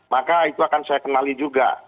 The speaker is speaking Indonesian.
maka itu akan saya kenali juga